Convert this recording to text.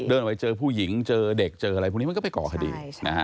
เดินไปเจอผู้หญิงเจอเด็กเจออะไรพวกนี้มันก็ไปก่อคดีนะฮะ